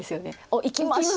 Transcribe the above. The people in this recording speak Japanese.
おっいきました！